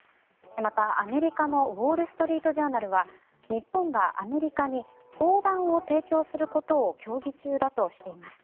また、アメリカのウォール・ストリート・ジャーナルは日本がアメリカに砲弾を提供することを協議中だとしています。